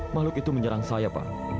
makhluk itu menyerang saya pak